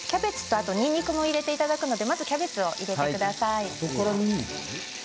キャベツとにんにくも入れていただくのでまずキャベツを入れてください。